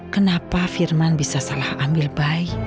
kenapa firman bisa salah ambil bayi